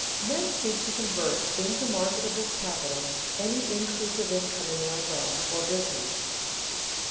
_Men seek to convert into marketable capital any increase of income in their wealth or business.